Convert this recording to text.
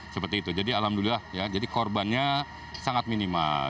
seperti itu jadi alhamdulillah ya jadi korbannya sangat minimal